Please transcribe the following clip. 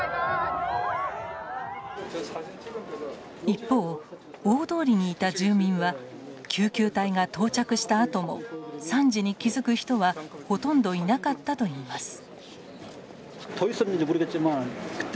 一方、大通りにいた住民は救急隊が到着したあとも惨事に気付く人はほとんどいなかったといいます。